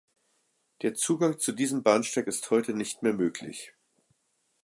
Der Zugang zu diesem Bahnsteig ist heute nicht mehr möglich.